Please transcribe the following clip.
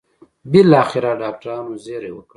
بالاخره ډاکټرانو زېری وکړ.